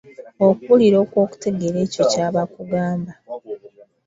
Okuwulira okw’okutegeera ekyo kya bakugamba.